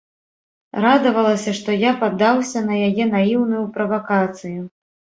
Радавалася, што я паддаўся на яе наіўную правакацыю.